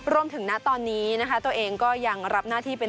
ณตอนนี้นะคะตัวเองก็ยังรับหน้าที่เป็น